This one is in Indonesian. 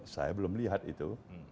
saya belum lihat itu